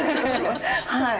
はい。